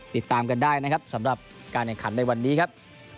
ติดตามกันได้นะครับสำหรับการแข่งขันในวันนี้ครับ